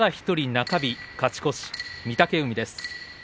１人、中日勝ち越し御嶽海です。